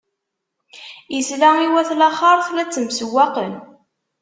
Isla i wat laxert la ttemsewwaqen.